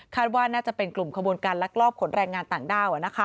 ว่าน่าจะเป็นกลุ่มขบวนการลักลอบขนแรงงานต่างด้าว